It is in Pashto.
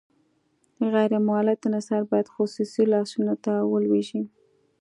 غیر مولد انحصار باید خصوصي لاسونو ته ولویږي.